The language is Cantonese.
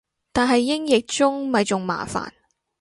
但係英譯中咪仲麻煩